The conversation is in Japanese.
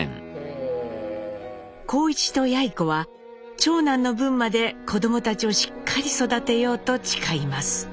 幸一とやい子は長男の分まで子どもたちをしっかり育てようと誓います。